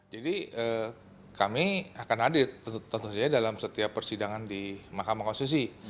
jadi kami akan hadir tentu saja dalam setiap persidangan di makamah konstitusi